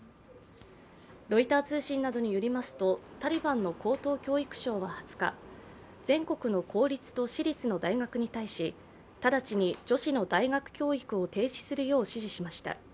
ロイター通信などによりますとタリバンの高等教育省は２０日、全国の公立と私立の大学に対し直ちに女子の大学教育を停止するよう指示しました。